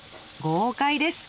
豪快です。